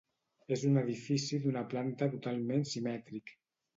És un edifici d'una planta totalment simètric.